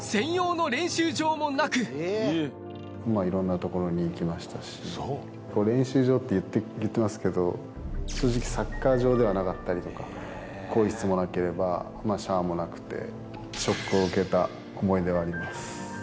いろんな所に行きましたし、練習場って言ってますけど、正直サッカー場ではなかったりとか、更衣室もなければ、シャワーもなくて、ショックを受けた思い出はあります。